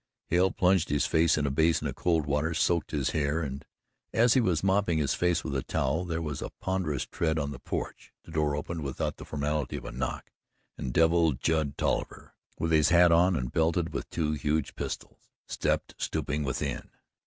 Hale plunged his face in a basin of cold water, soaked his hair and, as he was mopping his face with a towel, there was a ponderous tread on the porch, the door opened without the formality of a knock, and Devil Judd Tolliver, with his hat on and belted with two huge pistols, stepped stooping within.